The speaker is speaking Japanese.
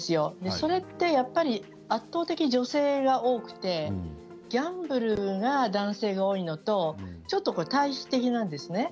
それって圧倒的に女性が多くてギャンブルは男性が多いのとちょっと対比的なんですね。